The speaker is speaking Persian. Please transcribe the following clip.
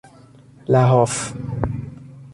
لحاف